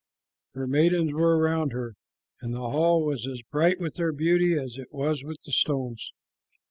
Her maidens were around her, and the hall was as bright with their beauty as it was with the stones.